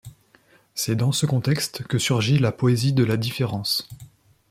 C'est dans ce contexte que surgit la poésie de la Différence.